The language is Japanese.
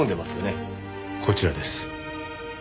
こちらです。